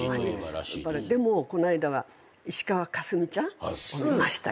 この間は石川佳純ちゃんを見ましたよ。